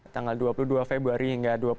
tanggal dua puluh dua februari hingga